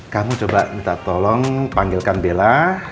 kamu coba minta tolong panggilkan bella